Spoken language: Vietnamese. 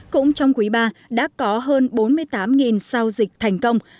cũng trong quý ba đã có hơn bốn mươi tám sao dịch thành công